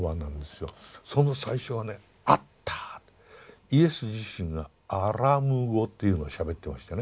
その最初はねアッターイエス自身がアラム語というのをしゃべってましてね